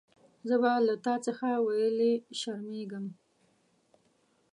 زه به له تا څخه ویلي شرمېږم.